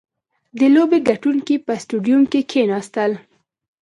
• د لوبې کتونکي په سټېډیوم کښېناستل.